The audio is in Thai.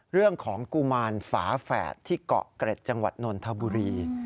เรื่องของกุมารฝาแฝดที่เกาะเกร็จจังหวัดนทบุรี